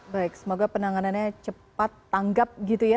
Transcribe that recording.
baik semoga penanganannya cepat tanggap gitu ya